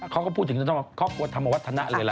เขาก็พูดถึงความธรรมวัฒนะเลยละ